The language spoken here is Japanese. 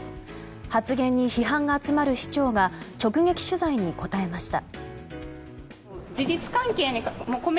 発言に批判が集まる市長が直撃取材に答えました。